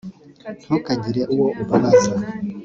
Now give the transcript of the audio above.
ntukagire uwo ubabaza